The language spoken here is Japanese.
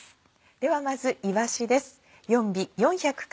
ではまずいわしです。